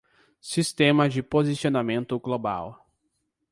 Sistema de posicionamento global